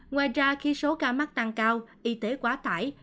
ngoài ra khi số ca mắc tăng cao y tế quá tải